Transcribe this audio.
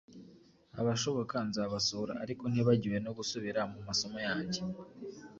Abashoboka nzabasura ariko ntibagiwe no gusubira mu masomo yange.